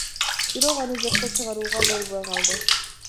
Бирок аны жокко чыгарууга болбой калды.